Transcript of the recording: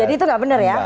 jadi itu nggak bener ya